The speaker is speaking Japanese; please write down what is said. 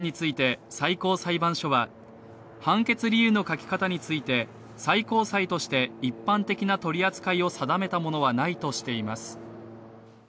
今回の件について最高裁判所は、判決理由の書き方について最高裁として一般的な取り扱いを定めたものはないとしています。